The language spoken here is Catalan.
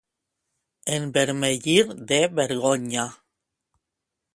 Envermellir de vergonya.